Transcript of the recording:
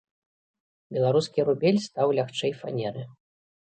Беларускі рубель стаў лягчэй фанеры.